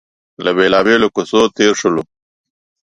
له بېلابېلو کوڅو تېر شولو.